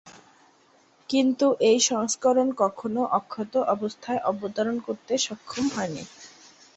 কিন্তু এই সংস্করণ কখনও অক্ষত অবস্থায় অবতরণ করতে সক্ষম হয়নি।